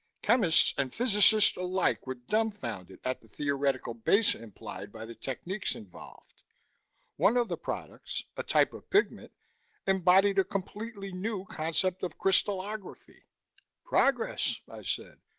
Chemists and physicists alike were dumfounded at the theoretical base implied by the techniques involved. One of the products a type of pigment embodied a completely new concept in crystallography." "Progress," I said.